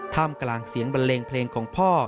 มกลางเสียงบันเลงเพลงของพ่อ